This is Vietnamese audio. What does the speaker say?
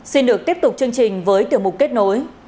xin được tiếp tục chương trình với tiểu mục kết nối